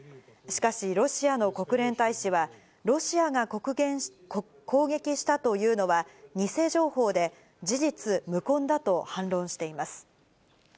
しかし、ロシアの国連大使は、ロシアが攻撃したというのは偽情報で、事実無根だと反論しています。